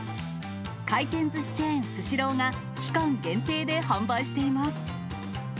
回転ずしチェーン、スシローが期間限定で販売しています。